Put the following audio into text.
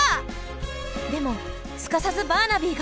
でもすかさずバーナビーが。